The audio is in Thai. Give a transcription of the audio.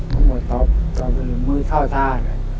รับหมดตอบตอบเป็นมือเท้าทา